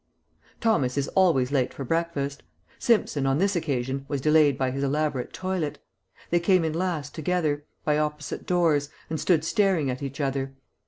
Thomas is always late for breakfast. Simpson on this occasion was delayed by his elaborate toilet. They came in last together, by opposite doors, and stood staring at each other.